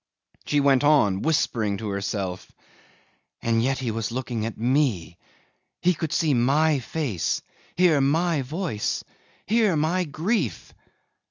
She went on whispering to herself: "And yet he was looking at me! He could see my face, hear my voice, hear my grief!